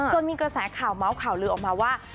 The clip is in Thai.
มีกระแสข่าวเมาส์ข่าวลือออกมาว่า